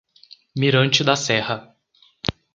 Mirante da Serra